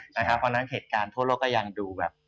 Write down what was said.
เพราะฉะนั้นเหตุการณ์ทั่วโลกก็ยังดูแบบ